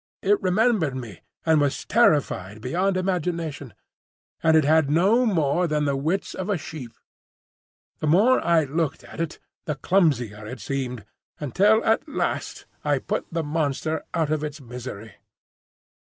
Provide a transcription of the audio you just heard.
It remembered me, and was terrified beyond imagination; and it had no more than the wits of a sheep. The more I looked at it the clumsier it seemed, until at last I put the monster out of its misery.